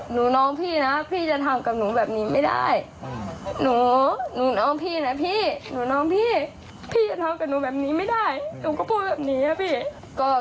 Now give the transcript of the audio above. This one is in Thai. หมายถึงคนที่ก่อเหตุกับเราเหรอ